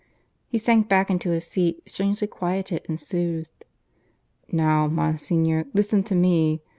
He sank back into his seat strangely quieted and soothed. "Now, Monsignor, listen to me.